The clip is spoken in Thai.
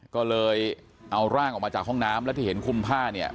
ก็เลยเอาร่างออกมาจากห้องน้ำแล้วที่เห็นคุมผ้าเนี่ย